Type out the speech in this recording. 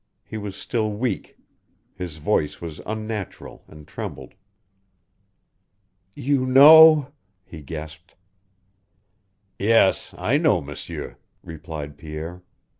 He was still weak. His voice was unnatural, and trembled. "You know " he gasped. "Yes, I know, M'sieur," replied Pierre.